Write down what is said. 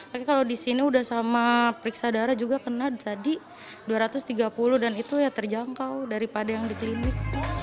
tapi kalau di sini sudah sama periksa darah juga kena tadi dua ratus tiga puluh dan itu ya terjangkau daripada yang di klinik